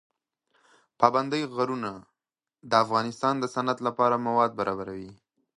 پابندی غرونه د افغانستان د صنعت لپاره مواد برابروي.